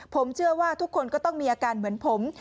ผมเชื่อว่าทุกคนก็ต้องมีอาการเหมือนผม